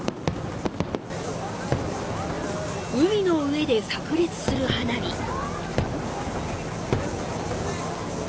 海の上で炸裂する花火。